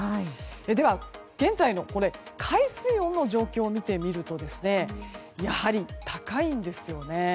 では、現在の海水温の状況を見てみるとやはり、高いんですよね。